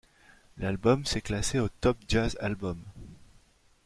L'album s'est classé au Top Jazz Albums.